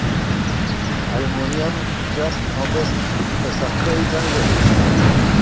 المونیم، جست او مس په سختي زنګ وهي.